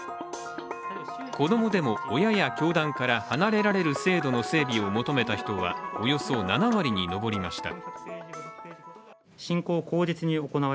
子供でも親や教団から離れられる制度の整備を求めた人はおよそ７割に上りました。